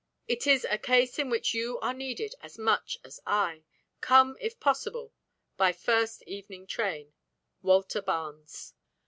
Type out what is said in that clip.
It is a case in which you are needed as much as I. Come, if possible, by first evening train. "WALTER BARNES."